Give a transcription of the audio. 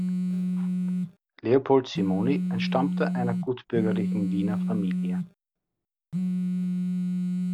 Leopold Simony entstammte einer gutbürgerlichen Wiener Familie.